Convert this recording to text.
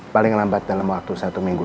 paling lambat dalam waktu satu minggu